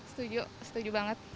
setuju setuju banget